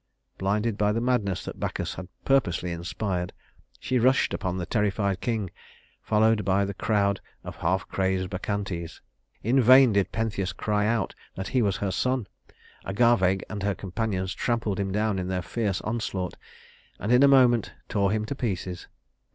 Blinded by the madness that Bacchus had purposely inspired, she rushed upon the terrified king, followed by the crowd of half crazed Bacchantes. In vain did Pentheus cry out that he was her son. Agave and her companions trampled him down in their fierce onslaught, and in a moment tore him to pieces.